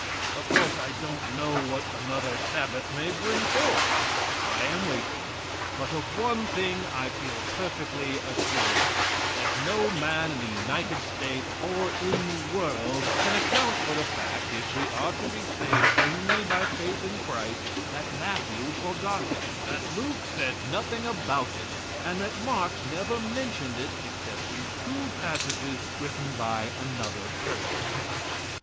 Of course I don't know what another Sabbath may bring forth. I am waiting. But of one thing I feel perfectly assured; that no man in the United States, or in the world, can account for the fact, if we are to be saved only by faith in Christ, that Matthew forgot it, that Luke said nothing about it, and that Mark never mentioned it except in two passages written by another person.